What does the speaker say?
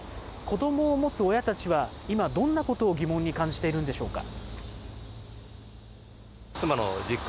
子どもを持つ親たちは今、どんなことを疑問に感じているんでしょうか。